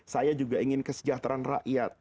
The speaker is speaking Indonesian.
saya juga ingin kesejahteraan rakyat